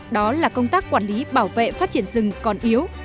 đó là công tác quản lý bảo vệ phát triển rừng còn yếu